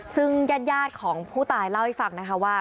ซึ่งญาติยาดของผู้ตายเล่าให้ฝากนะครับว่า